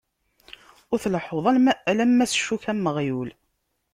Ur tleḥḥuḍ alamma s ccuka am uɣyul.